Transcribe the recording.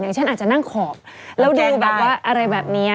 อย่างเช่นอาจจะนั่งขอบแล้วดูอะไรแบบนี้